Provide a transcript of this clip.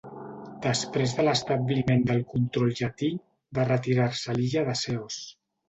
Després de l'establiment del control Llatí, va retirar-se a l'illa de Ceos.